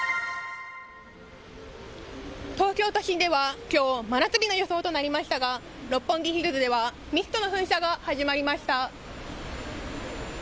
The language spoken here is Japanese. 東京都心ではきょう真夏日の予想となりましたが六本木ヒルズではミストの噴射が始まりました。